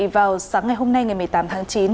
vào sáng ngày hôm nay ngày một mươi tám tháng chín